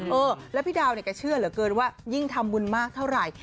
เออแล้วพี่ดาวเนี่ยแกเชื่อเหลือเกินว่ายิ่งทำบุญมากเท่าไหร่